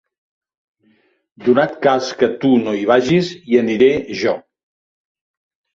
Donat cas que tu no hi vagis, hi aniré jo.